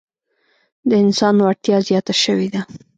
د انسان وړتیا زیاته شوې ده.